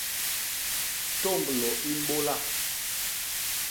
Tômblô i mbôla.